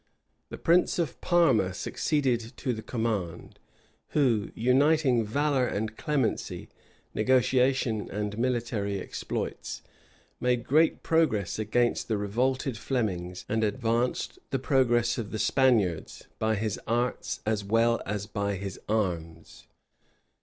The prince of Parma succeeded to the command; who, uniting valor and clemency, negotiation and military exploits, made great progress against the revolted Flemings, and advanced the progress of the Spaniards by his arts as well as by his arms.